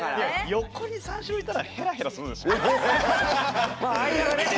横に三四郎いたらヘラヘラするでしょ。